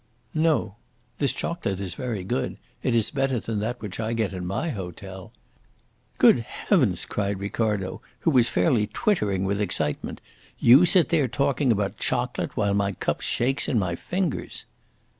"No. This chocolate is very good; it is better than that which I get in my hotel." "Good heavens!" cried Ricardo, who was fairly twittering with excitement. "You sit there talking about chocolate while my cup shakes in my fingers."